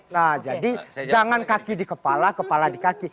nah jadi jangan kaki di kepala kepala di kaki